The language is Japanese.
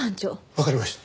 わかりました。